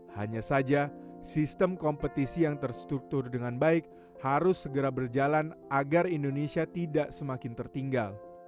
hanya saja sistem kompetisi yang terstruktur dengan baik harus segera berjalan agar indonesia tidak semakin tertinggal